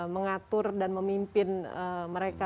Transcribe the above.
mengatur dan memimpin mereka